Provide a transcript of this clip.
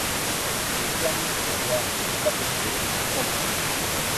Le terminus de la gare de Châteaucreux est en boucle.